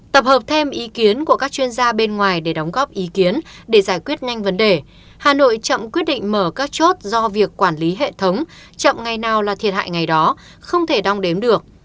tập hợp thêm ý kiến của các chuyên gia bên ngoài để đóng góp ý kiến để giải quyết nhanh vấn đề hà nội chậm quyết định mở các chốt do việc quản lý hệ thống chậm ngày nào là thiệt hại ngày đó không thể đong đếm được